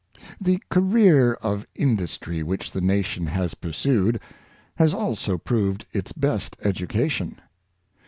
The career of industry which the nation has pursued, has also proved its best education.